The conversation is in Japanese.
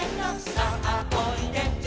「さあおいで」